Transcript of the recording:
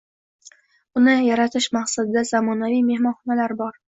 Uni yaratish maqsadida zamonaviy mehmonxonalar bor.